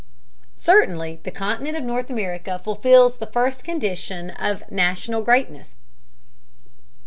] Certainly the continent of North America fulfills the first condition of national greatness.